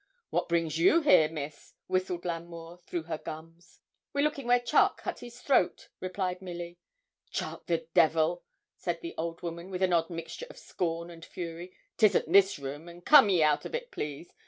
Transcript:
'What brings you here, miss?' whistled L'Amour through her gums. 'We're looking where Charke cut his throat,' replied Milly. 'Charke the devil!' said the old woman, with an odd mixture of scorn and fury. ''Tisn't his room; and come ye out of it, please.